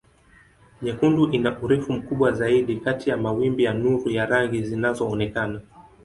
Nyekundu ina urefu mkubwa zaidi kati ya mawimbi ya nuru ya rangi zinazoonekana.